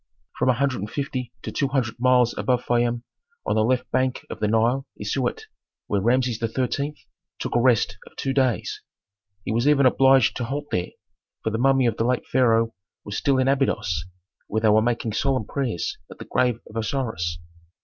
From a hundred and fifty to two hundred miles above Fayum on the left bank of the Nile is Siut, where Rameses XIII. took a rest of two days. He was even obliged to halt there, for the mummy of the late pharaoh was still in Abydos, where they were making solemn prayers at the grave of Osiris.